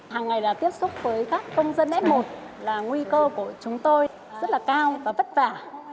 hàng ngày là tiếp xúc với các công dân f một là nguy cơ của chúng tôi rất là cao và vất vả